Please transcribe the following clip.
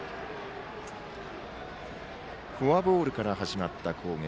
フォアボールから始まった攻撃。